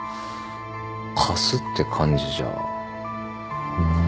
貸すって感じじゃ。